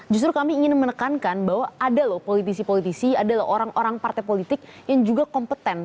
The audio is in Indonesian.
justru kami ingin menekankan bahwa ada loh politisi politisi adalah orang orang partai politik yang juga kompeten